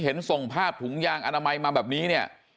เห็นส่งภาพถุงยางอนามัยมาแบบนี้เนี่ย